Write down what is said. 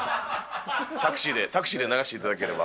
タクシーで、タクシーで流していただければ。